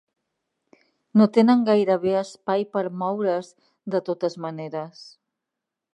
No tenen gairebé espai per moure's, de totes maneres.